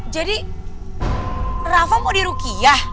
jadi rafa mau dirukiah